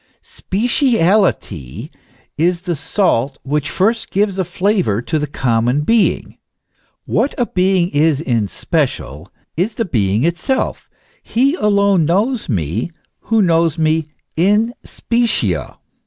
Speciality is the salt which first gives a flavour to the common being. What a being is in special, is the being itself; he alone knows me, who knows me in specie.